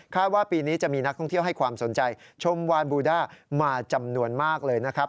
ว่าปีนี้จะมีนักท่องเที่ยวให้ความสนใจชมวานบูด้ามาจำนวนมากเลยนะครับ